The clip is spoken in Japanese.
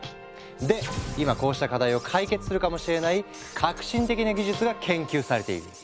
で今こうした課題を解決するかもしれない革新的な技術が研究されている。